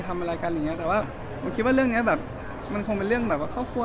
ผมคิดว่าเรื่องนี้เป็นเรื่องสู้บัตรครัว